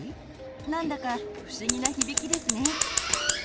何だか不思議な響きですね。